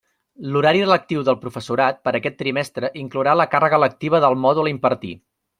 L'horari lectiu del professorat, per a eixe trimestre, inclourà la càrrega lectiva del mòdul a impartir.